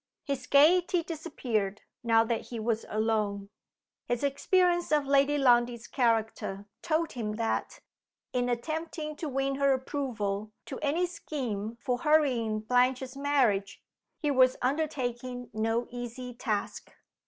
His gayety disappeared, now that he was alone. His experience of Lady Lundie's character told him that, in attempting to win her approval to any scheme for hurrying Blanche's marriage, he was undertaking no easy task.